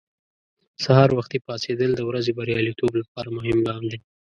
سهار وختي پاڅېدل د ورځې بریالیتوب لپاره مهم ګام دی.